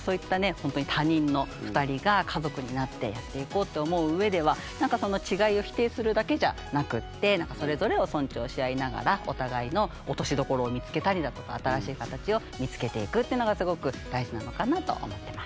ほんとに他人の２人が家族になってやっていこうと思う上ではその違いを否定するだけじゃなくってそれぞれを尊重し合いながらお互いの落としどころを見つけたりだとか新しい形を見つけていくってのがすごく大事なのかなと思ってます。